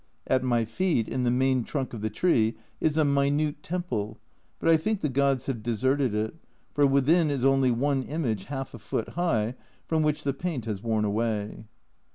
At my feet, in the main trunk of the tree, is a minute temple, but I think the gods have deserted it, for within is only one image half a foot high, from which the paint has worn away.